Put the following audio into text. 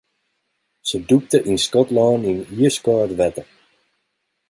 Se dûkte yn Skotlân yn iiskâld wetter.